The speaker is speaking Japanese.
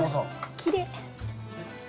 きれい。